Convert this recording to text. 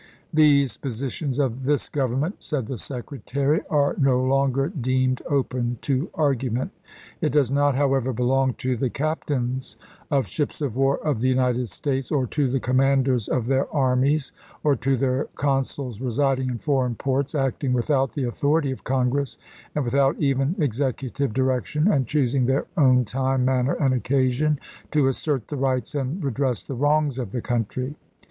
" These positions of this Government," said the Secretary, "are no longer deemed open to argument. It does not, however, belong to the captains of ships of war of the United States, or to the commanders of their armies, or to their consuls residing in foreign ports, acting with out the authority of Congress, and without even Executive direction, and choosing their own time, manner, and occasion, to assert the rights and re dress the wrongs of the country.